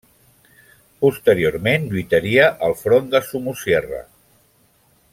Posteriorment lluitaria al front de Somosierra.